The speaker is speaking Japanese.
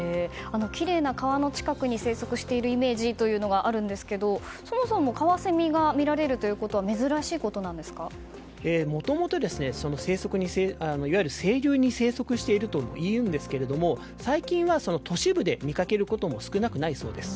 きれいな川の近くに生息しているイメージがあるんですけどもそもそもカワセミが見られるというのはもともと清流に生息しているというんですが最近は都市部で見かけることも少なくないそうです。